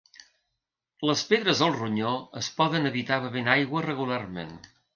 Les pedres al ronyó es poden evitar bevent aigua regularment.